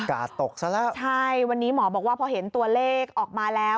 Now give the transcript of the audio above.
อ้าวใช่วันนี้หมอบอกว่าพอเห็นตัวเลขออกมาแล้ว